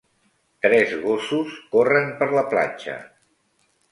Tres gossos corren per la platja.